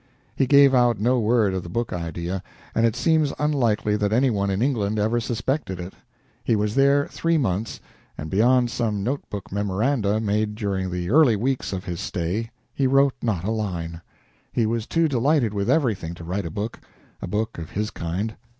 He gave out no word of the book idea, and it seems unlikely that any one in England ever suspected it. He was there three months, and beyond some notebook memoranda made during the early weeks of his stay he wrote not a line. He was too delighted with everything to write a book a book of his kind.